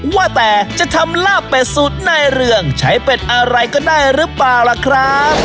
ว่าแต่จะทำลาบเป็ดสูตรในเรืองใช้เป็ดอะไรก็ได้หรือเปล่าล่ะครับ